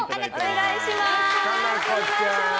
お願いします。